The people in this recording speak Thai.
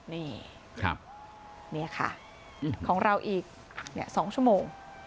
นี่ค่ะของเราอีก๒ชั่วโมง